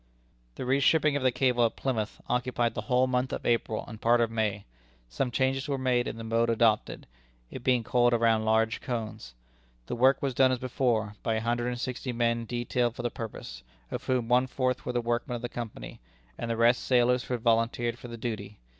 The reshipping of the cable at Plymouth occupied the whole month of April and part of May. Some changes were made in the mode adopted, it being coiled around large cones. The work was done as before, by a hundred and sixty men detailed for the purpose, of whom one fourth were the workmen of the Company, and the rest sailors who had volunteered for the duty.